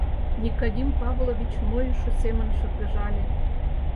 — Никодим Павлович нойышо семын шыргыжале.